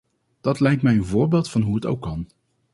Dat lijkt mij een voorbeeld van hoe het ook kan.